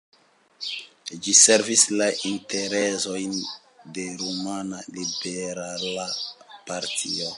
Ĝi servis la interesojn de rumana liberala partio.